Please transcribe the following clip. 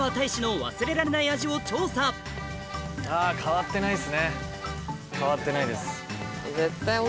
変わってないです。